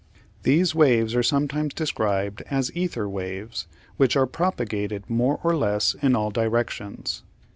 These waves are sometimes described as "ether waves" which are propagated more or less in all directions.